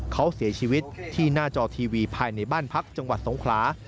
เขาเสียชีวิตที่หน้าจอทีวีภายในบ้านพักจังหวัดสงขลา